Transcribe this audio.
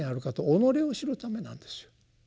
己を知るためなんですよ。